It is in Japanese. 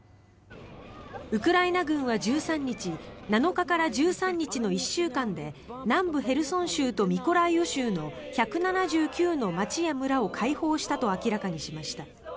ウクライナ軍は１３日７日から１３日の１週間で南部ヘルソン州とミコライウ州の１７９の街や村を解放したと明らかにしました。